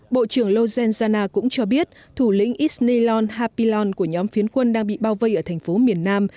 bộ trưởng logenzana cũng cho biết thủ lĩnh isnilon hapilon của nhóm phiến quân đang bị bao vây ở thành phố miền nam